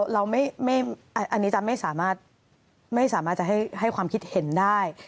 อันนี้จะไม่สามารถไม่สามารถจะให้ความคิดเห็นได้